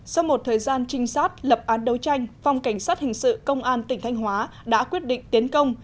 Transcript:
sau một thời gian trinh sát lập án đấu tranh phòng cảnh sát hình sự công an tỉnh thanh hóa đã quyết định tiến công